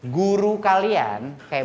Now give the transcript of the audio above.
guru kalian kayak